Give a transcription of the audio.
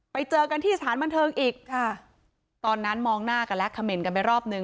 ไปเจอกันที่สถานบันเทิงอีกค่ะตอนนั้นมองหน้ากันแล้วเขม่นกันไปรอบหนึ่ง